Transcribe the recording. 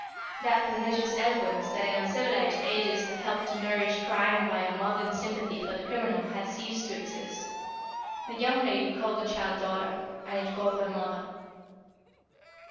That pernicious eloquence that in uncivilized ages had helped to nourish crime by a maudlin sympathy for the criminal, had ceased to exist. The young lady called the child daughter, and it called her mother."